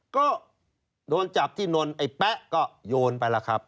ก็โดนจับที่นนไอ้แป๊ะก็โยนไปแล้วครับ